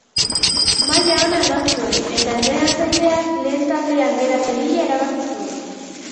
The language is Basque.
Maila ona eman zuen, eta entrenatzaileak lehen taldean gera zedila erabaki zuen.